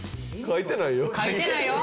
書いてないよ！